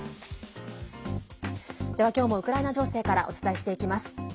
では、今日もウクライナ情勢からお伝えしていきます。